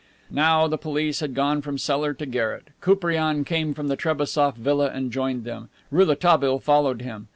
Now the police had gone from cellar to garret. Koupriane came from the Trebassof villa and joined them, Rouletabille followed him.